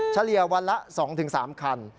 เฉลี่ยวันละ๒๓คัน